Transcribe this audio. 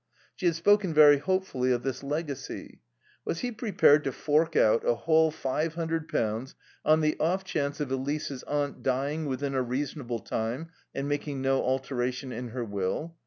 She had spoken very hopefully of this legacy. Was he prepared to fork out a whole five hundred pounds on the offchance of Elise's aunt dying within a reasonable time and making no alteration in her will?